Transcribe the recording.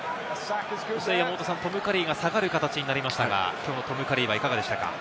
トム・カリーが下がる形になりましたが、きょうは、いかがでしたか？